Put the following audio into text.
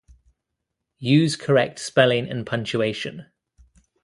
Use correct spelling and punctuation